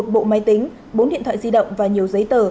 một bộ máy tính bốn điện thoại di động và nhiều giấy tờ